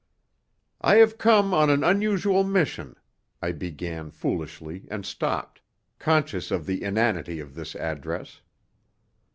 "I have come on an unusual mission," I began foolishly and stopped, conscious of the inanity of this address.